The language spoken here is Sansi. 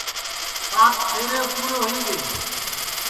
سات پھیرے پُورے ہوئی گے